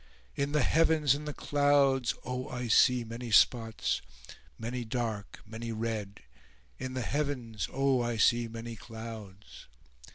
In the heavens, in the clouds, oh, I see many spots—many dark, many red: In the heavens, oh, I see many clouds."